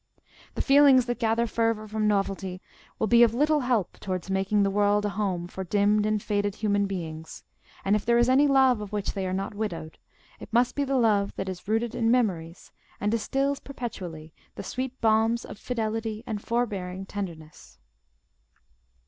The feelings that gather fervour from novelty will be of little help towards making the world a home for dimmed and faded human beings; and if there is any love of which they are not widowed, it must be the love that is rooted in memories and distils perpetually the sweet balms of fidelity and forbearing tenderness.